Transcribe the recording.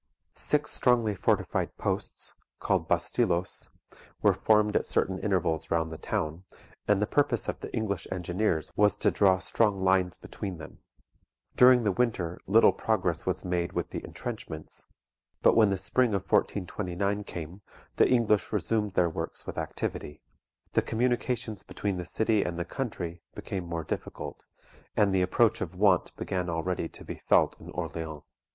Six strongly fortified posts, called bastillos, were formed at certain intervals round the town and the purpose of the English engineers was to draw strong lines between them. During the winter little progress was made with the entrenchments, but when the spring of 1429 came, the English resumed their works with activity; the communications between the city and the country became more difficult, and the approach of want began already to be felt in Orleans.